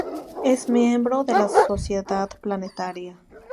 Es miembro de la Sociedad Planetaria.